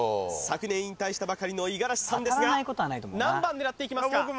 昨年引退したばかりの五十嵐さんですが何番狙っていきますか？